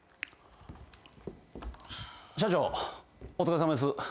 社長お疲れさまです。